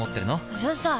うるさい！